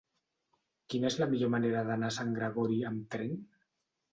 Quina és la millor manera d'anar a Sant Gregori amb tren?